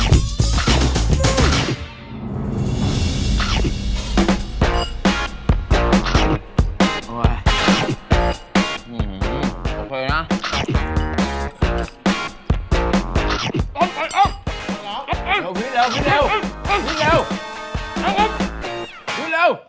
มันแหละ